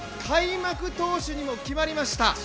開幕投手にも決まりました。